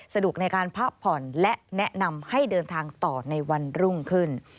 ในการพักผ่อนและแนะนำให้เดินทางต่อในวันรุ่งขึ้น